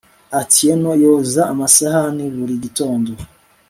atieno yoza amasahani, buri gitondo